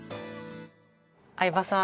相葉さん。